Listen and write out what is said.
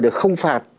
để không phạt